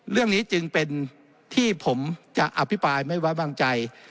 เรื่องนี้จึงเป็นที่ผมจะอภิปรายไม่ไว้วางใจ